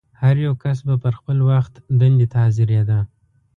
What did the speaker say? هر یو کس به پر خپل وخت دندې ته حاضرېده.